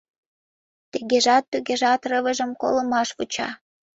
Тыгежат-тугежат рывыжым колымаш вуча.